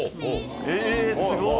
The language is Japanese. えすごっ。